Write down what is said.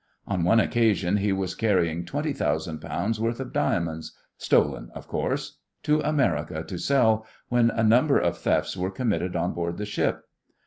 On one occasion he was carrying twenty thousand pounds' worth of diamonds stolen, of course to America to sell, when a number of thefts were committed on board the ship.